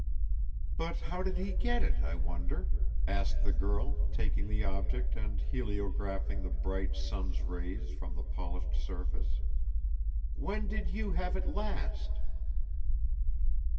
"But how did he get it, I wonder?" asked the girl, taking the object and heliographing the bright sun's rays from the polished surface. "When did you have it last?"